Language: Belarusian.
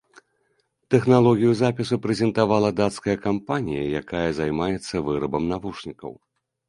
Тэхналогію запісу прэзентавала дацкая кампанія, якая займаецца вырабам навушнікаў.